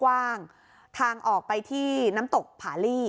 พอหลังจากเกิดเหตุแล้วเจ้าหน้าที่ต้องไปพยายามเกลี้ยกล่อม